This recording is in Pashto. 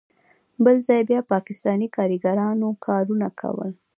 بل ځای بیا پاکستانی کاریګرانو کارونه کول.